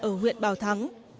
ở huyện bào thắng